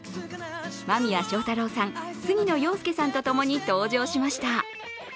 間宮祥太朗さん、杉野遥亮さんとともに登場しました。